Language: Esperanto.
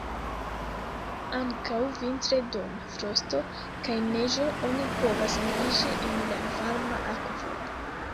Ankaŭ vintre dum frosto kaj neĝo oni povas naĝi en la varma akvo.